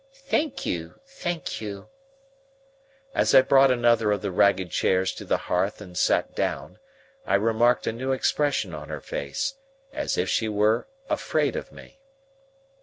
"Thank you. Thank you." As I brought another of the ragged chairs to the hearth and sat down, I remarked a new expression on her face, as if she were afraid of me.